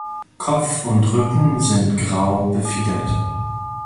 Kopf und Rücken sind grau befiedert.